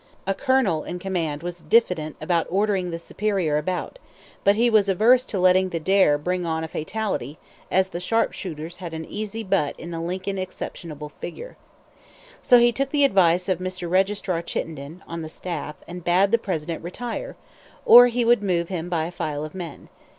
A colonel in command was diffident about ordering the superior about, but he was averse to letting the "dare" bring on a fatality, as the sharpshooters had an easy butt in the Lincoln exceptional figure. So he took the advice of Mr. Registrar Chittenden, on the staff, and bade the President retire, or he would move him by a file of men.